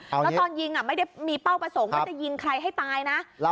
แล้วตอนยิงไม่ได้มีเป้าประสงค์ว่าจะยิงใครให้ตายนะ